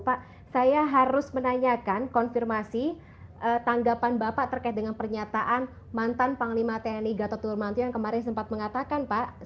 pak saya harus menanyakan konfirmasi tanggapan bapak terkait dengan pernyataan mantan panglima tni gatot turmanti yang kemarin sempat mengatakan pak